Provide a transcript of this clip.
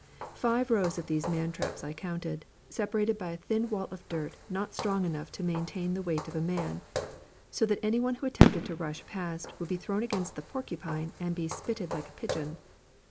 Five rows of these man traps I counted, separated by a thin wall of dirt not strong enough to maintain the weight of a man, so that any one who attempted to rush past would be thrown against the 'porcupine' and be spitted like a pigeon.